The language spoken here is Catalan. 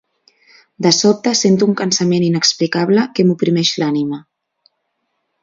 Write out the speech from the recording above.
De sobte sento un cansament inexplicable que m'oprimeix l'ànima.